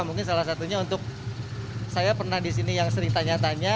mungkin salah satunya untuk saya pernah disini yang sering tanya tanya